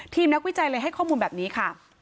นักวิจัยเลยให้ข้อมูลแบบนี้ค่ะ